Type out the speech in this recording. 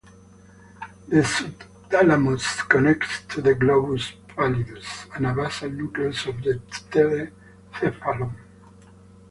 The subthalamus connects to the globus pallidus, a basal nucleus of the telencephalon.